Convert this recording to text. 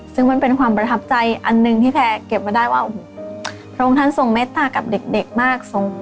ซึ่งมันเป็นความประทับใจอันหนึ่งที่แพร่เก็บมาได้ว่าโอ้โหพระองค์ท่านทรงเมตตากับเด็กมาก